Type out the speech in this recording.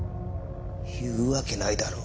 言うわけないだろ。